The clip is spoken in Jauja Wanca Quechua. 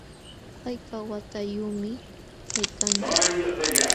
¿Hayka watayuqmi kaykanki?